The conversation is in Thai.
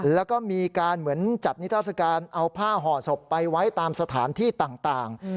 แล้วก็มีการเหมือนจัดนิทัศกาลเอาผ้าห่อศพไปไว้ตามสถานที่ต่าง